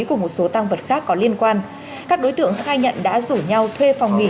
cùng một số tăng vật khác có liên quan các đối tượng khai nhận đã rủ nhau thuê phòng nghỉ